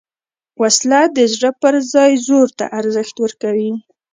وسله د زړه پر ځای زور ته ارزښت ورکوي